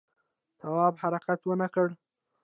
تواب حرکت ونه کړ.